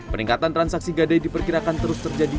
peningkatan transaksi gadai diperkirakan terus terjadi